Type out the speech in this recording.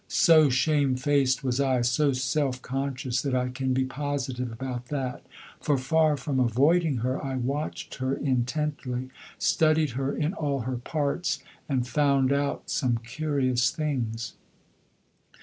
So shamefaced was I, so self conscious, that I can be positive about that; for far from avoiding her I watched her intently, studied her in all her parts, and found out some curious things.